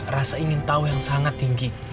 rasa ingin tahu yang sangat tinggi